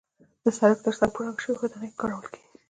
د سړک تر څنګ په ړنګو شویو ودانیو کې کارول کېږي.